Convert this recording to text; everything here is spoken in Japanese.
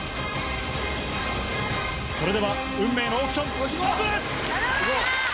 それでは、運命のオークション、スタートです！